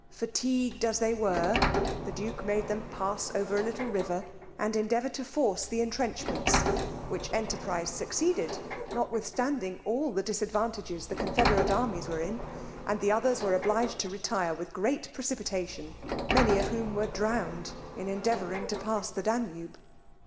Fatigued as they were, the duke made them pass over a little river and endeavour to force the intrenchments; which enterprize succeeded, notwithstanding all the disadvantages the confederate armies were in, and the others were obliged to retire with great precipitation, many of whom were drowned in endeavouring to pass the Danube.